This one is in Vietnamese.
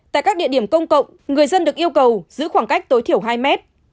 tại các địa điểm công cộng người dân được yêu cầu giữ khoảng cách tối thiểu hai mét